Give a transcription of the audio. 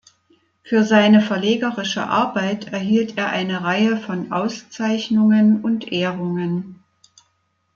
Für seine verlegerische Arbeit erhielt er eine Reihe von Auszeichnungen und Ehrungen.